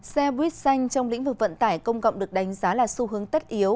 xe buýt xanh trong lĩnh vực vận tải công cộng được đánh giá là xu hướng tất yếu